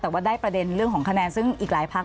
แต่ว่าได้ประเด็นเรื่องของคะแนนซึ่งอีกหลายพัก